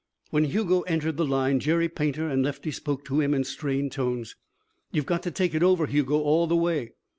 When Hugo entered the line, Jerry Painter and Lefty spoke to him in strained tones. "You've got to take it over, Hugo all the way."